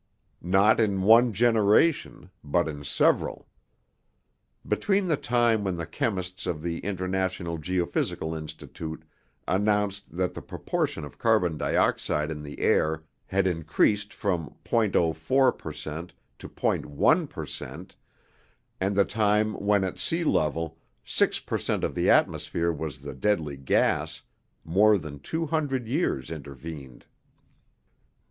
Not in one generation, but in several. Between the time when the chemists of the International Geophysical Institute announced that the proportion of carbon dioxide in the air had increased from .04 per cent to .1 per cent and the time when at sea level six per cent of the atmosphere was the deadly gas, more than two hundred years intervened.